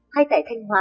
hay tại thanh hóa